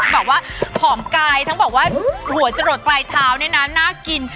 แบบว่าผอมกายทั้งบอกว่าหัวจะหลดปลายเท้าเนี่ยนะน่ากิน